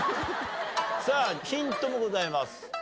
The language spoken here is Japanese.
さあヒントもございます。